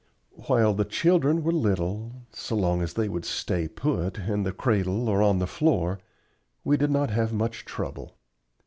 While the children were little so long as they would "stay put" in the cradle or on the floor we did not have much trouble.